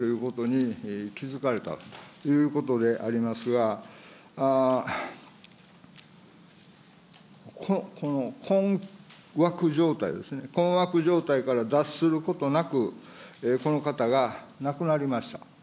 この人が生存中に目覚めてっていうか、自分が間違っているということに気付かれたということでありますが、この困惑状態ですね、困惑状態から脱することなく、この方が亡くなりました。